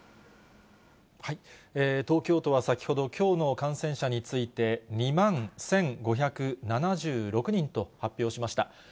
東京都は先ほど、きょうの感染者について、２万１５７６人と発表しました。